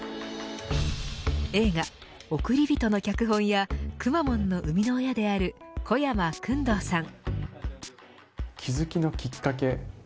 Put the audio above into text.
映画おくりびとの脚本やくまモンの生みの親である小山薫堂さん。